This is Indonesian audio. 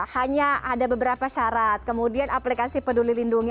hanya ada beberapa syarat kemudian aplikasi peduli lindungi